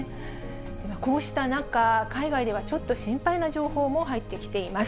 こうした中、海外ではちょっと心配な情報も入ってきています。